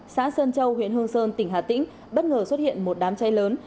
xã sơn châu huyện hương sơn tỉnh hà tĩnh bất ngờ xuất hiện một đám cháy lớn